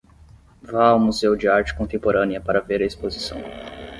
Vá ao Museu de Arte Contemporânea para ver a exposição